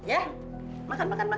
ya makan makan makan